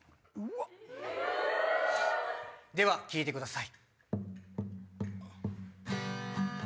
では聴いてください。